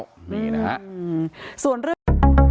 โปรดติดตามตอนต่อไป